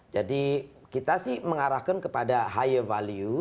jadi kita sih mengarahkan kepada higher value